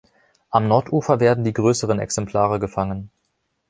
Am Nordufer werden die größeren Exemplare gefangen.